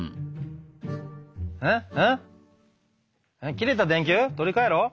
消えた電球取り替えろ？